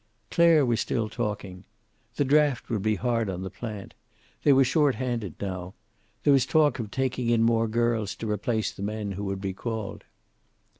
Clare was still talking. The draft would be hard on the plant. They were short handed now. There was talk of taking in more girls to replace the men who would be called.